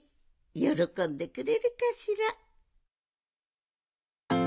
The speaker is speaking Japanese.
よろこんでくれるかしら。